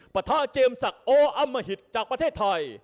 ประทะเจมสักออัมมหิตจากประเทศไทย